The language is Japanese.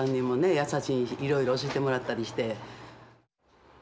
優しいにいろいろ教えてもらったりして。